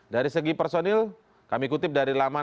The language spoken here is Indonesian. dari segi personil kami kutip dari langkah ini